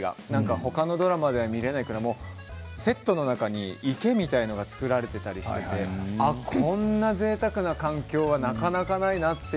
他のドラマでは見られないセットの中に池みたいなものが造られていたりこんな、ぜいたくな環境はなかなかないなって